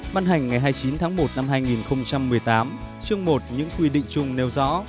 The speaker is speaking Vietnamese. ban hành ngày hai mươi chín tháng một năm hai nghìn một mươi tám chương một những quy định chung nêu rõ